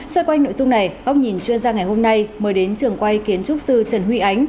xoay quanh nội dung này góc nhìn chuyên gia ngày hôm nay mời đến trường quay kiến trúc sư trần huy ánh